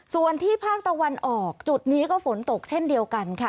ส่วนที่ภาคตะวันออกจุดนี้ก็ฝนตกเช่นเดียวกันค่ะ